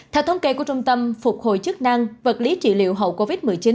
theo thống kê của trung tâm phục hồi chức năng vật lý trị liệu hậu covid một mươi chín